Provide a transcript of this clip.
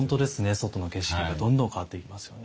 外の景色がどんどん変わっていきますよね。